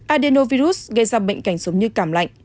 adenovirus gây ra bệnh cảnh giống như cảm lạnh